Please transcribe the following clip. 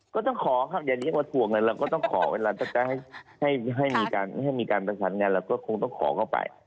ก็ต้องขอครับอย่างนี้ว่าทวงเราก็ต้องขอเวลาต้องได้ให้มีการประสานงานเราก็คงต้องขอก็ไป